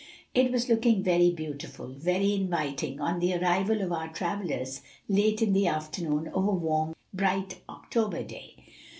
It was looking very beautiful, very inviting, on the arrival of our travellers late in the afternoon of a warm, bright October day.